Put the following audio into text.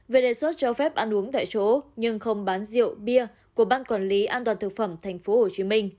về đề xuất cho phép ăn uống tại chỗ nhưng không bán rượu bia của ban quản lý an toàn thực phẩm tp hcm